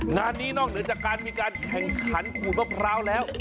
งานนี้นอกเหนือจากการมีการแข่งขันขูดมะพร้าวแล้ว